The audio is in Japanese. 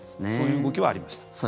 そういう動きはありました。